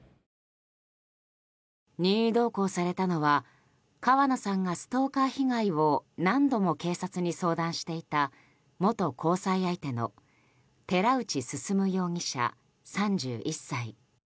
任意同行されたのは川野さんがストーカー被害を何度も警察に相談していた元交際相手の寺内進容疑者、３１歳。